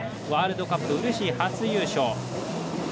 ワールドカップ、うれしい初優勝。